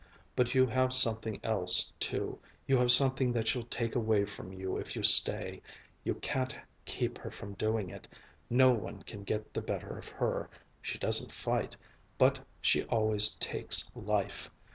But you have something else too, you have something that she'll take away from you if you stay. You can't keep her from doing it. No one can get the better of her. She doesn't fight. But she always takes life.